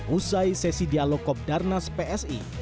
usai sesi dialog kopi darnas psi